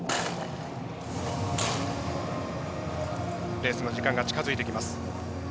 レースの時間が近づいてきます。